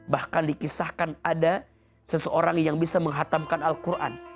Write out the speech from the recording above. bahkan dikisahkan ada seseorang yang bisa menghatamkan al quran